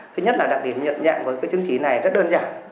thứ nhất là đặc điểm nhận dạng với cái chứng chỉ này rất đơn giản